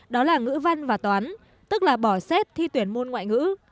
đó là ngữ văn và toán tức là bỏ xét thi tuyển môn ngoại ngữ